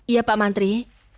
iya pak mantri